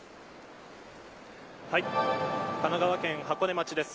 神奈川県箱根町です。